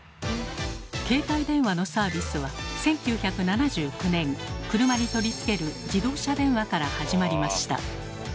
携帯電話のサービスは１９７９年車に取り付ける「自動車電話」から始まりました。